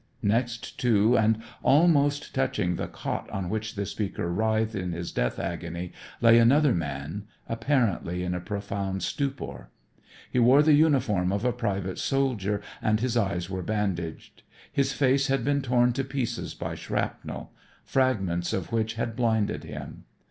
Next to and almost touching the cot on which the speaker writhed in his death agony lay another man apparently in a profound stupor. He wore the uniform of a private soldier and his eyes were bandaged. His face had been torn to pieces by shrapnel, fragments of which had blinded him.